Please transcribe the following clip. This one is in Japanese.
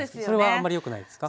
あんまりよくないですか？